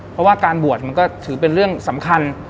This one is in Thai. เพราะว่าการบวชมันก็ถือเป็นเรื่องสำคัญ